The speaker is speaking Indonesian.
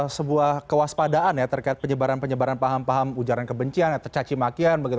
atau pun sebuah ketakutan ataupun sebuah kewaspadaan ya terkait penyebaran penyebaran paham paham ujaran kebencian ya tercacimakian begitu